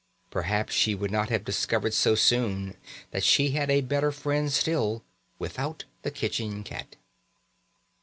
Perhaps she would not have discovered so soon that she had a better friend still, without the kitchen cat.